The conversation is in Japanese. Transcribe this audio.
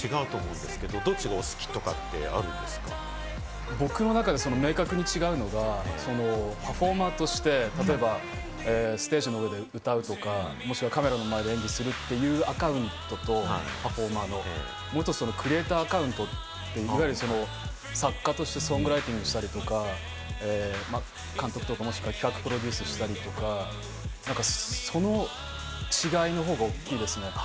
演じることと歌うこと違うと思うんですけれど、どっちがお好僕の中で明確に違うのがパフォーマーとして、例えば、ステージの上で歌うとか、カメラの前で演技するというアカウントとパフォーマーの、クリエイターアカウント、いわゆる作家としてソングライティングしたり、監督として企画プロデュースしたりとか、その違いの方が大きいですね。